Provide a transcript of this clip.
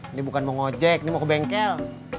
ini bukan mau ojek ini mau ke bengkel